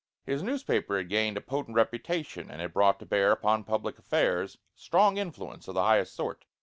His newspaper had gained a potent reputation, and it brought to bear upon public affairs a strong influence of the highest sort.